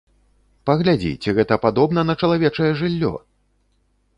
Паглядзі, ці гэта падобна на чалавечае жыллё!